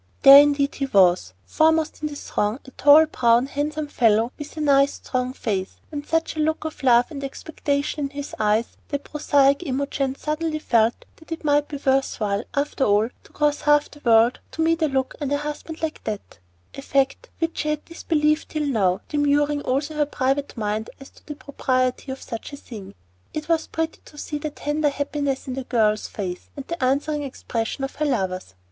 There indeed he was, foremost in the throng, a tall, brown, handsome fellow, with a nice, strong face, and such a look of love and expectation in his eyes that prosaic Imogen suddenly felt that it might be worth while, after all, to cross half the world to meet a look and a husband like that, a fact which she had disbelieved till now, demurring also in her private mind as to the propriety of such a thing. It was pretty to see the tender happiness in the girl's face, and the answering expression of her lover's.